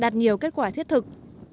đạt nhiều kết quả thiết thực